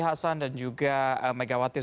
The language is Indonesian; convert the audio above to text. hassan dan juga megawati